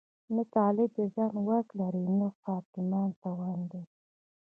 نه طالب د ځان واک لري او نه حاکمان توان لري.